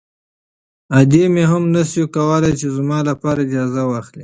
ادې مې هم نه شوای کولی چې زما لپاره اجازه واخلي.